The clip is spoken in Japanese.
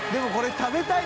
食べたい！